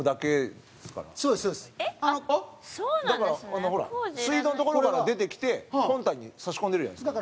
土田：水道の所から出てきて本体に差し込んでるじゃないですか。